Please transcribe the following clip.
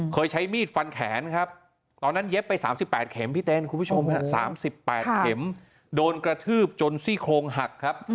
ใช้มีดฟันแขนครับตอนนั้นเย็บไป๓๘เข็มพี่เต้นคุณผู้ชม๓๘เข็มโดนกระทืบจนซี่โครงหักครับ